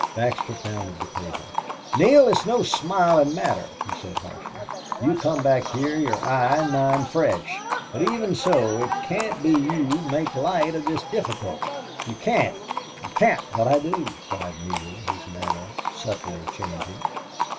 Baxter pounded the table. "Neale, it's no smiling matter," he said harshly. "You come back here, your eye and mind fresh, but even so, it can't be you make light of this difficulty. You can't you can't " "But I do!" cried Neale, his manner subtly changing.